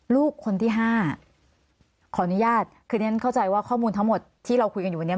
ลูกคนที่๕ขออนุญาตคือเรียนเข้าใจว่าข้อมูลทั้งหมดที่เราคุยกันอยู่วันนี้